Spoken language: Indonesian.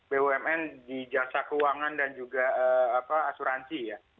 bumn di jasa keuangan dan juga asuransi ya